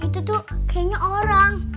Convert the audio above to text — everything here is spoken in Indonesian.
itu tuh kayaknya orang